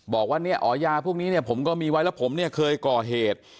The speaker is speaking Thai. บอกว่าเนี่ยอ๋อยาพวกนี้เนี่ยผมก็มีไว้แล้วผมเนี่ยเคยก่อเหตุ